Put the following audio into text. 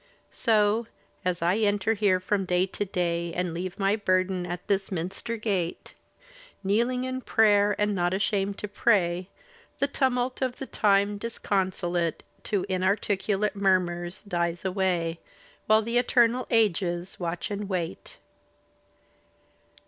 So, as I enter here from day to day. And leave my burden at this minster gate. Kneeling in prayer, and not ashamed to pray. The tumult of the time disconsolate To inarticulate murmurs dies away. While the eternal ages watch and wait.